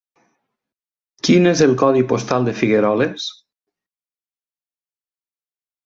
Quin és el codi postal de Figueroles?